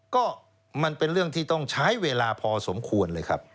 ก็มันเป็นเรื่องที่ต้องใช้เวลาพอสมควรเลยครับ